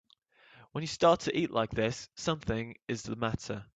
When you start to eat like this something is the matter.